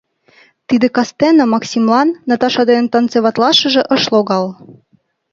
Тиде кастене Максимлан Наташа дене танцеватлашыже ыш логал.